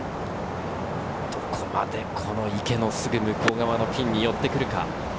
どこまでこの池のすぐ向こう側のピンに寄ってくるか。